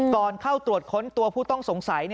ก่อนเข้าตรวจค้นตัวผู้ต้องสงสัย